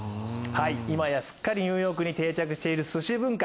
今やすっかりニューヨークに定着しているすし文化。